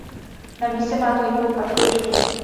Na místě má vzniknout parkoviště.